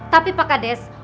tapi pak hades